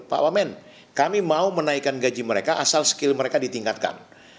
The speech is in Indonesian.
pak wamen kami mau menaikkan gaji mereka asal skill mereka ditingkatkan